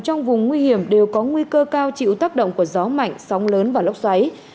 trong vùng nguy hiểm đều có nguy cơ cao chịu tác động của gió mạnh sóng lớn và lốc xoáy